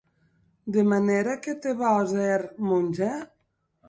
De manèra que te vòs hèr monge?